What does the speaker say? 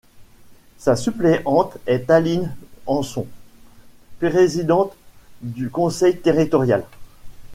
Sa suppléante est Aline Hanson, présidente du conseil territorial.